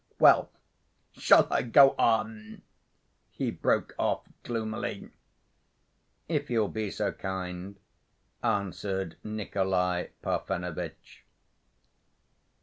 Well, shall I go on?" he broke off gloomily. "If you'll be so kind," answered Nikolay Parfenovitch.